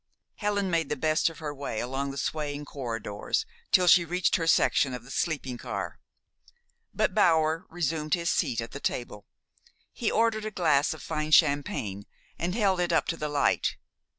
Helen made the best of her way along the swaying corridors till she reached her section of the sleeping car; but Bower resumed his seat at the table. He ordered a glass of fine champagne and held it up to the light.